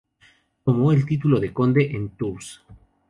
Tomó el título de "conde" en Tours.